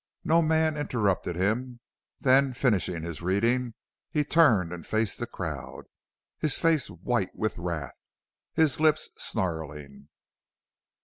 No man interrupted him. Then, finishing his reading, he turned and faced the crowd, his face white with wrath, his lips snarling.